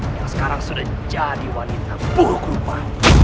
yang sekarang sudah jadi wanita buruk rupa